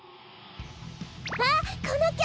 あっこのきょ。